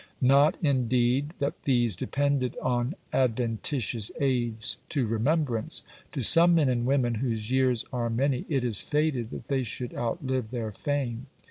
Not, indeed, that these depended on adventitious aids to remembrance. To some men and women whose years are many it is fated that they should outlive their fame.